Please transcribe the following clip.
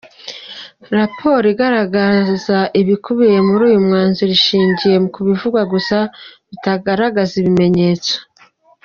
Raporo igaragaza ibikubiye muri uyu mwanzuro ishingiye ku bivugwa gusa, bitagaragaza ibimenyetso.